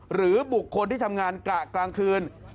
หรือบุคคลที่ทำงานกะกลางคืน